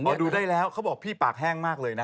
มาดูได้แล้วเขาบอกพี่ปากแห้งมากเลยนะ